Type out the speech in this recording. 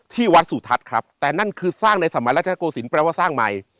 ที่วัดสุทัศน์ครับแต่นั่นคือสร้างในสมัยราชโกศิลปแปลว่าสร้างใหม่